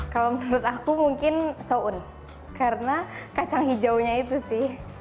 kalau menurut aku mungkin soun ⁇ karena kacang hijaunya itu sih